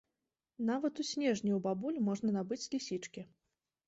Нават у снежні ў бабуль можна набыць лісічкі.